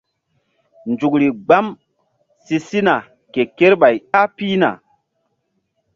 Nzukri gbam si sina ke kerɓay ƴah pihna.